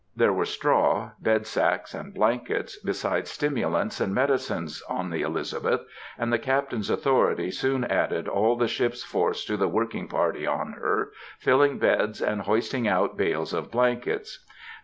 There were straw, bed sacks and blankets, besides stimulants and medicines, on the Elizabeth, and the Captain's authority soon added all the ship's force to the working party on her, filling beds and hoisting out bales of blankets.